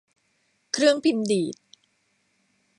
เครื่องพิมพ์ดีด